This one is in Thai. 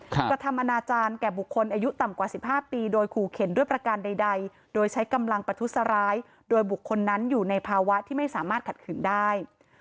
กระทำอนาจารย์แก่บุคคลอายุต่ำกว่า๑๕ปีโดยขู่เข็นด้วยประการใดโดยใช้กำลังประทุษร้ายโดยบุคคลนั้นอยู่ในภาวะที่ไม่สามารถขัดขืนได้